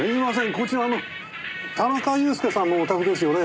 こちらあの田中裕介さんのお宅ですよね。